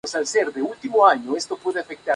Todos los temas compuestos por Los Pericos.